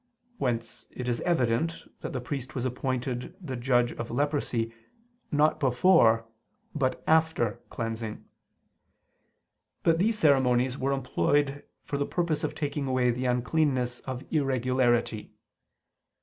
whence it is evident that the priest was appointed the judge of leprosy, not before, but after cleansing. But these ceremonies were employed for the purpose of taking away the uncleanness of irregularity.